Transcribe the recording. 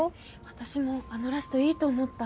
私もあのラストいいと思った。